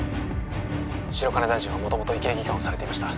白金大臣は元々医系技官をされていました